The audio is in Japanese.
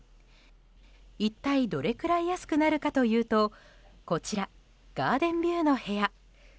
一体どれくらい安くなるかというとこちら、ガーデンビューの部屋。